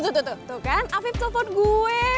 eh tuh tuh tuh tuh kan afif telepon gue